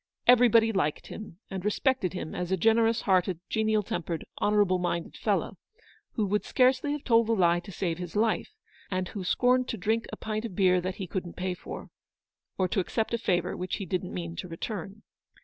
Everybody liked him and respected him as a generous hearted, genial tempered, honourable minded fellow, who would scarcely have told a lie to save his life, and who scorned to drink a pint of beer that he couldn't pay for, or to accept a favour which he didn't mean to return.